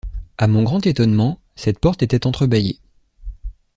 À mon grand étonnement, cette porte était entre-bâillée.